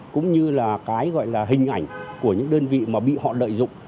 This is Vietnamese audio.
cũng như là cái gọi là hình ảnh của những đơn vị mà bị họ lợi dụng